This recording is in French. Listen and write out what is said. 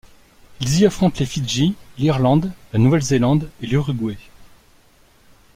Ils y affrontent les Fidji, l'Irlande, la Nouvelle-Zélande et l'Uruguay.